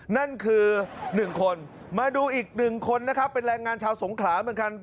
นั่นคือหนึ่งคนมาดูอีกหนึ่งคนนะครับเป็นแรงงานชาวสงครามันกัน